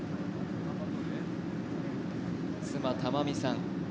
妻・珠美さん。